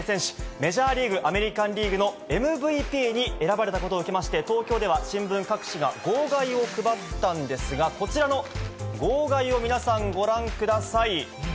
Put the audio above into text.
メジャーリーグ・アメリカンリーグのＭＶＰに選ばれたことを受けまして、東京では新聞各紙が号外を配ったんですが、こちらの号外を皆さん、ご覧ください。